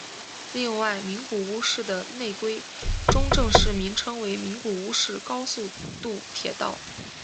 另在名古屋市的内规中正式名称为名古屋市高速度铁道。